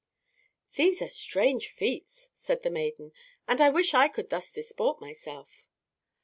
"These are strange feats," said the maiden, "and I wish that I could thus disport myself."